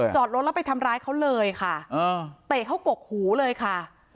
จอดรถแล้วไปทำร้ายเขาเลยค่ะเตะเขากกหูเลยค่ะ